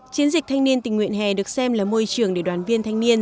chiến dịch thanh niên tình nguyện hè được xem là môi trường để đoàn viên thanh niên